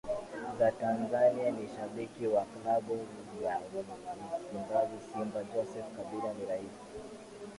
za Tanzania na ni shabiki wa klabu ya msimbazi Simba Joseph Kabila ni Rais